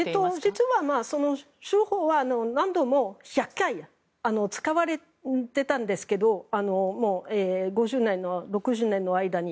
実は、その手法は何度も使われていたんですが５０年、６０年の間に。